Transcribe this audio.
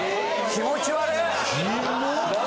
気持ち悪。